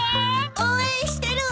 応援してるわ！